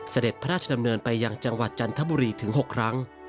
เสด็จพระราชดำเนินไปยังจังหวัดจันทบุรีถึง๖ครั้ง